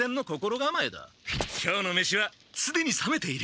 今日の飯はすでに冷めている！